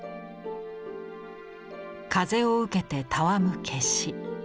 風を受けてたわむ芥子。